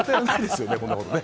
こんなことね。